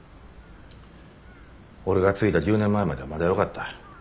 俺が継いだ１０年前まではまだよかった。